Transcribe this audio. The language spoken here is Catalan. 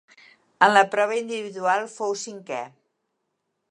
En la prova Individual fou cinquè.